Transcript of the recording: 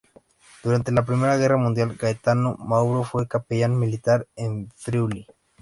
Durante la Primera guerra mundial, Gaetano Mauro fue capellán militar en Friuli.